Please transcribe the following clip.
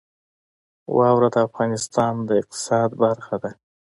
واوره د افغانستان د اقتصاد برخه ده.